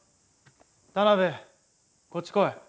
田辺こっち来い。